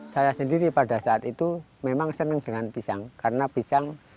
saya sendiri pada saat itu memang senang dengan pisang